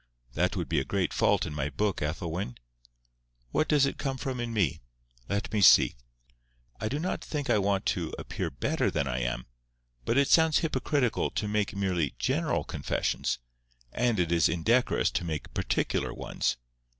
"That would be a great fault in my book, Ethelwyn. What does it come from in me? Let me see. I do not think I want to appear better than I am; but it sounds hypocritical to make merely general confessions, and it is indecorous to make particular ones.